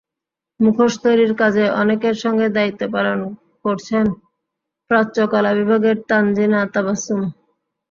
মুখোশ তৈরির কাজে অনেকের সঙ্গে দায়িত্ব পালন করছেন প্রাচ্যকলা বিভাগের তানজিমা তাবাসসুম।